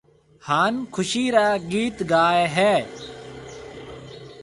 هانَ خُوشِي را گِيت گائي هيَ۔